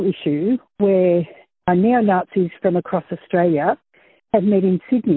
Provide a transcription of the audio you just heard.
di mana neonazi dari seluruh australia bertemu di sydney